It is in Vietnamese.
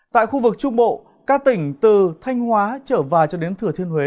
tại khu vực trung bộ các tỉnh từ thanh hóa trở vào cho đến thừa thiên huế